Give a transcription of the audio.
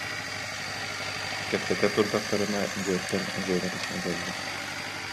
Кэпсэтэ турдахтарына дьиэттэн Женя тахсан кэллэ: